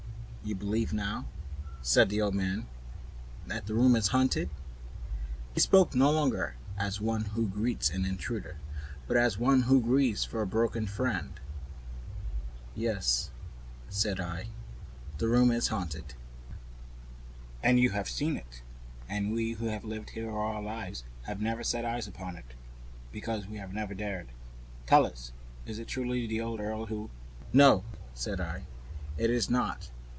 "You believe now," said the old man with the withered hand, "that the room is haunted?" He spoke no longer as one who greets an intruder, but as one who condoles with a friend. "Yes," said I, "the room is haunted." "And you have seen it. And we who have been here all our lives have never set eyes upon it. Because we have never dared. Tell us, is it truly the old earl who " "No," said I, "it is not."